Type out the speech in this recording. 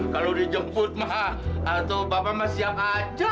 kalau dijemput mah atau bapak mah siap aja